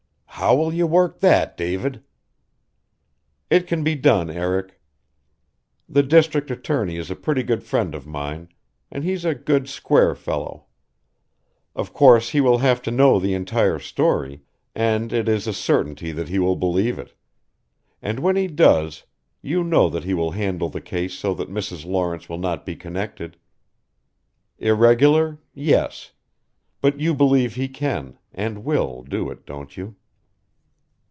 "How will you work that, David?" "It can be done, Eric. The district attorney is a pretty good friend of mine and he's a good square fellow. Of course he will have to know the entire story; and it is a certainty that he will believe it. And when he does you know that he will handle the case so that Mrs. Lawrence will not be connected. Irregular yes. But you believe he can and will do it, don't you?"